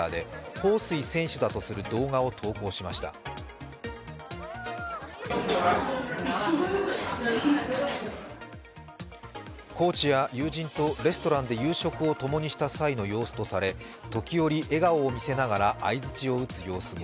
コーチや友人とレストランで夕食を共にした際の様子とされ時折、笑顔を見せながら相槌を打つ様子も。